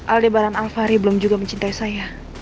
aldebaran alfari belum juga mencintai saya